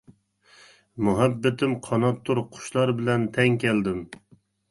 مۇھەببىتىم قاناتتۇر قۇشلار بىلەن تەڭ كەلدىم.